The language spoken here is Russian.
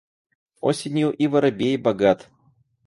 Осенью и воробей богат.